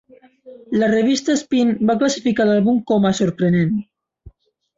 La revista "Spin" va classificar l'àlbum com a "sorprenent".